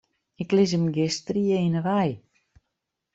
Ik lis him gjin strie yn 'e wei.